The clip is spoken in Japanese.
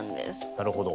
なるほど。